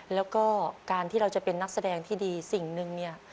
แล้วก็การที่เราจะเป็นนักแสดงที่ดีสิ่งหนึ่งเนี่ย